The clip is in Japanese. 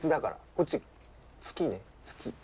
こっち月ね月。